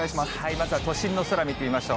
まずは都心の空、見てみましょう。